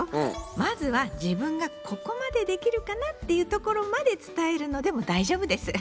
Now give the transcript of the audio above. まずは自分がここまでできるかなっていうところまで伝えるのでも大丈夫です。